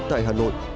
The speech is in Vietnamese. tại hà nội